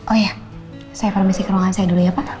oh iya saya permisi kerongan saya dulu ya pak